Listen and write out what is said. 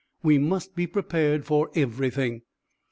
We must be prepared for everything.